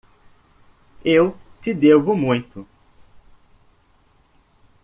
Eu te devo muito.